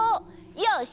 よし！